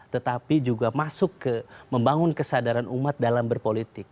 tetapi juga masuk ke membangun kesadaran umat dalam berpolitik